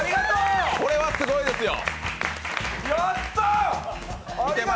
これはすごいですよ。